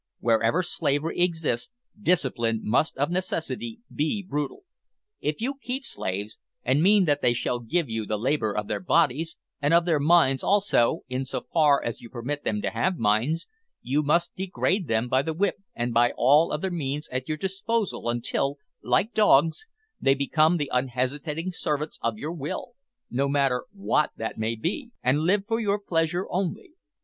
Wherever slavery exists, discipline must of necessity be brutal. If you keep slaves, and mean that they shall give you the labour of their bodies, and of their minds also, in so far as you permit them to have minds, you must degrade them by the whip and by all other means at your disposal until, like dogs, they become the unhesitating servants of your will, no matter what that will may be, and live for your pleasure only.